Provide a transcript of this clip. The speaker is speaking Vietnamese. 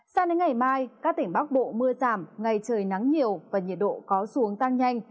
sang đến ngày mai các tỉnh bắc bộ mưa giảm ngày trời nắng nhiều và nhiệt độ có xuống tăng nhanh